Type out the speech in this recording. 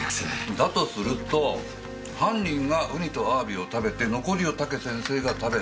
だとすると犯人がウニとアワビを食べて残りを武先生が食べた。